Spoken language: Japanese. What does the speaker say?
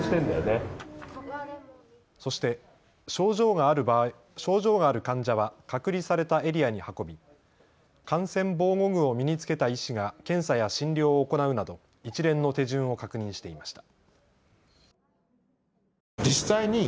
そして症状がある患者は隔離されたエリアに運び感染防護具を身に着けた医師が検査や診療を行うなど一連の手順を確認していました。